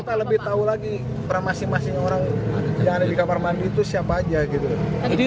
kita lebih tahu lagi peran masing masing orang yang ada di kamar mandi itu siapa aja gitu jadi